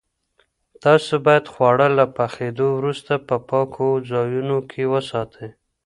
تاسو باید خواړه له پخېدو وروسته په پاکو ځایونو کې وساتئ.